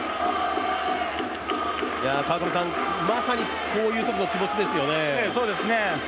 まさにこういうところ、気持ちですよね。